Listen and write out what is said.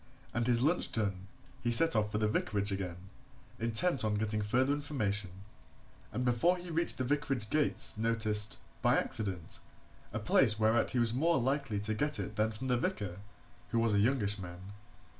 And his lunch done, he set off for the vicarage again, intent on getting further information, and before he reached the vicarage gates noticed, by accident, a place whereat he was more likely to get it than from the vicar who was a youngish man.